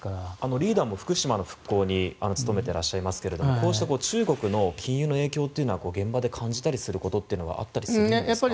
リーダーも福島の復興に努めていらっしゃいますがこういう中国の禁輸の影響は現場で感じたりすることはあったりしますか。